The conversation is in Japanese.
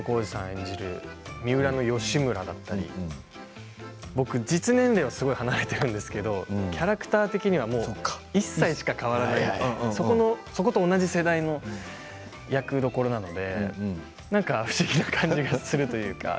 演じる三浦義村だったり実年齢は離れているんですけどキャラクター的には１歳しか変わらないそこと同じ世代の役どころなのでなんか不思議な感じがするというか。